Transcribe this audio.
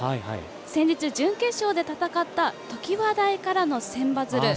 先日、準決勝で戦った常磐大からの千羽鶴。